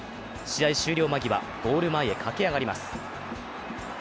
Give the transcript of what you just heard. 試合終了間際、ゴール前へ駆け上がります。